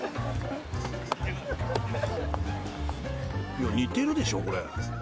［いや似てるでしょこれ］